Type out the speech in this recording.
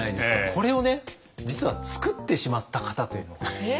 これをね実は作ってしまった方というのが。